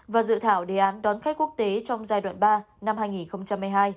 và dự thảo đề án đón khách quốc tế trong giai đoạn ba năm hai nghìn hai mươi hai